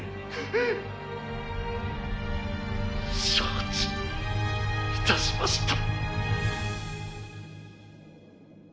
「承知致しました」